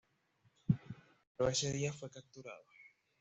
Pero ese día fue capturado.